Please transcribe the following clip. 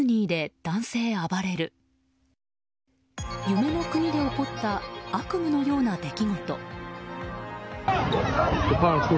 夢の国で起こった悪夢のような出来事。